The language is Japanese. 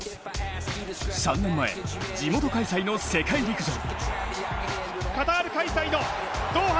３年前、地元開催の世界陸上。